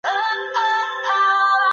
接受死亡好吗？